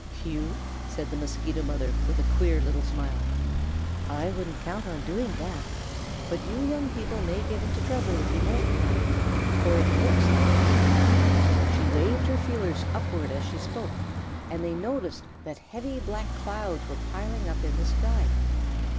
"You?" said the Mosquito Mother, with a queer little smile. "I wouldn't count on doing that. But you young people may get into trouble if you moult now, for it looks like rain." She waved her feelers upward as she spoke, and they noticed that heavy black clouds were piling up in the sky.